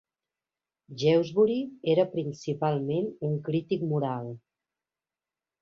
Jewsbury era principalment un crític moral.